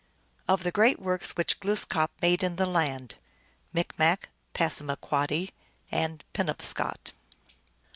Of the Great Works which Glooskap made in the Land. (Micmac, Passamaquoddy, Penobscot.)